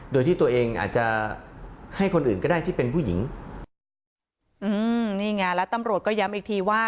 โดยที่ตัวเองอาจจะให้คนอื่นก็ได้ที่เป็นผู้หญิงอืมนี่ไงแล้วตำรวจก็ย้ำอีกทีว่า